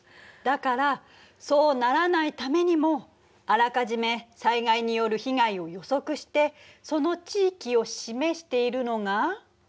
だからそうならないためにもあらかじめ災害による被害を予測してその地域を示しているのが？